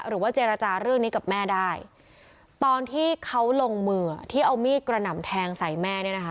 หรือว่าเจรจาเรื่องนี้กับแม่ได้ตอนที่เขาลงมือที่เอามีดกระหน่ำแทงใส่แม่เนี่ยนะคะ